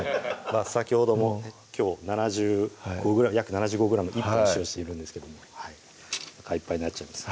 先ほどもきょう７５ぐらい約７５ｇ１本使用しているんですけどもおなかいっぱいになっちゃうんです